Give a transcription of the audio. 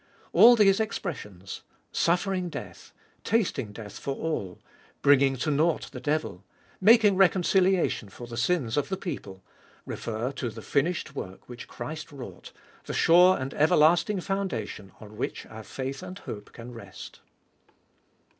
All these expressions — suffering death, tasting death for all, bringing to nought the devil, making reconciliation for the sins of the people — refer to the finished work which Christ wrought, the sure and everlasting foundation on which our faith and hope can rest.